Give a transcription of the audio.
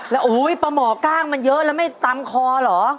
แล้วโอ้โหปลาหมอกล้างมันเยอะแล้วไม่ตำคอเหรอ